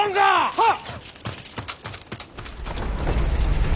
はっ！